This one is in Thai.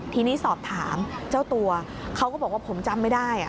ทีนี้สอบถามเจ้าตัวเขาก็บอกว่าผมจำไม่ได้